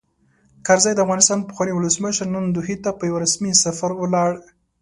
کرزی؛ د افغانستان پخوانی ولسمشر، نن دوحې ته په یوه رسمي سفر ولاړ.